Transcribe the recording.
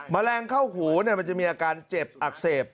แมลงเข้าหูมันจะมีอาการเจ็บอักเสบ